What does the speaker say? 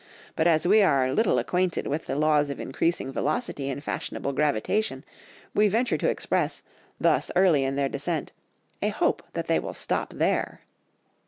But as we are a little acquainted with the laws of increasing velocity in fashionable gravitation, we venture to express, thus early in their descent, a hope that they will stop there."